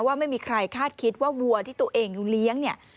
ว่าไม่มีใครคาดคิดว่าวัวที่ตัวเองเลี้ยงเนี่ย